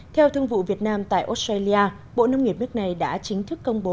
theo thương vụ việt nam tại australia bộ nông nghiệp nước này đã chính thức công bố